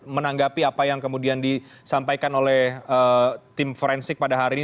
menanggapi apa yang kemudian disampaikan oleh tim forensik pada hari ini